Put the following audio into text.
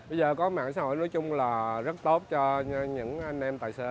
à cho em xem thử được không anh